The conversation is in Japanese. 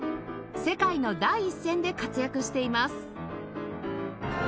世界の第一線で活躍しています